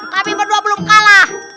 kami berdua belum kalah